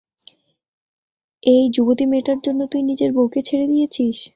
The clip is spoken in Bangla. এই যুবতী মেয়েটার জন্যে তুই নিজের বউকে ছেঁড়ে দিয়েছিস?